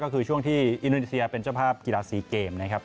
ก็คือช่วงที่อินโดนีเซียเป็นเจ้าภาพกีฬา๔เกมนะครับ